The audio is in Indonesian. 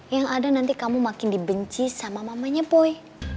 yang ada nanti kamu makin dibenci sama mamanya poi